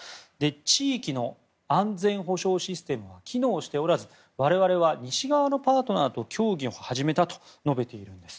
地域の安全保障システムが機能しておらず我々は西側のパートナーと協議を始めたと述べているんです。